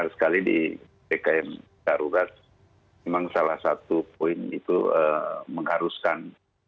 sekali di pkm darurat memang salah satu poin itu mengharuskan